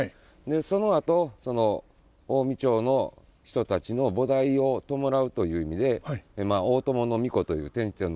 そのあとその近江朝の人たちの菩提を弔うという意味で大友皇子という天智天皇の皇子ですね。